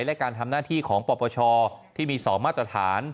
และการทำหน้าที่ของปปชที่มี๒มาตรฐาน